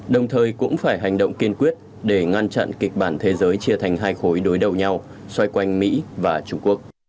đồng thời cũng phải hành động kiên quyết để ngăn chặn kịch bản thế giới chia thành hai khối đối đầu nhau xoay quanh mỹ và trung quốc